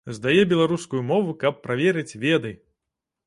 Здае беларускую мову, каб праверыць веды!